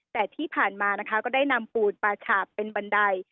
แต่ที่ผ่านมานะคะก็ได้นำปูนปลาฉาบเป็นบันได